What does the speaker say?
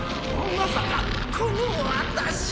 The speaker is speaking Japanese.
まさかこの私を！？